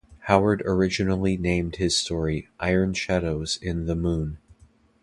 Howard originally named his story "Iron Shadows in the Moon".